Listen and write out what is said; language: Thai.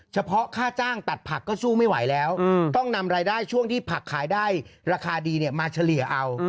เฉพาะค่าจ้างตัดผักก็สู้ไม่ไหวแล้วต้องนำรายได้ช่วงที่ผักขายได้ราคาดีมาเฉลี่ยเอา